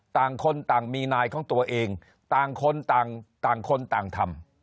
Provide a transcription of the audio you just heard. ต่างคนต่างมีนายของตัวเองต่างคนต่างคนต่างทำ